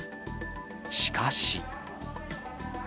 しかし。